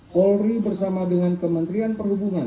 polri bersama dengan kementerian perhubungan